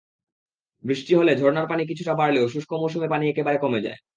বৃষ্টি হলে ঝরনার পানি কিছুটা বাড়লেও শুষ্ক মৌসুমে পানি একেবারে কমে যায়।